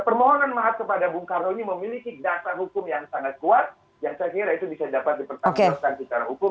permohonan maaf kepada bung karno ini memiliki dasar hukum yang sangat kuat yang saya kira itu bisa dapat dipertanggungjawabkan secara hukum